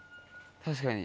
確かに。